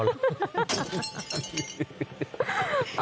เล่นเสา